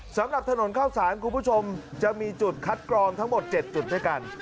สำหรับถนนข้าวสารคุณผู้ชมจะมีจุดคัดกรองทั้งหมด๗จุดด้วยกัน